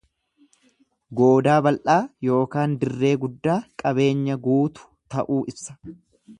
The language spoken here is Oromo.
Goodaa bal'aa ykn dirree guddaa qabeenya guutu ta'uu ibsa.